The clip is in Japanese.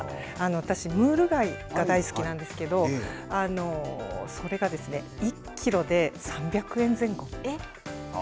私、ムール貝が大好きなんですけれども、それが１キロで３００円前後。